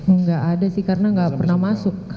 enggak ada sih karena enggak pernah masuk